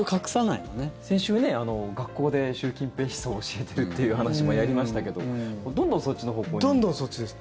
先週、学校で習近平思想を教えているという話もやりましたけどどんどんそっちです。